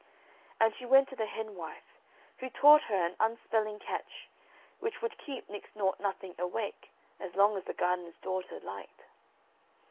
And she went to the hen wife, who taught her an unspelling catch which would keep Nix Nought Nothing awake as long as the gardener's daughter liked.